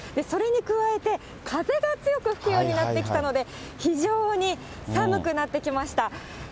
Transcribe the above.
それに加えて、風が強く吹くようになってきたので、非常に寒くなってきました。